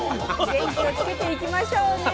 元気をつけていきましょうね。